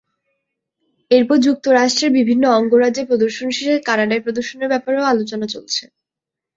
এরপর যুক্তরাষ্ট্রের বিভিন্ন অঙ্গরাজ্যে প্রদর্শন শেষে কানাডায় প্রদর্শনের ব্যাপারেও আলোচনা চলছে।